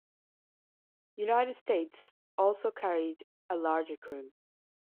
"United States" also carried a larger crew.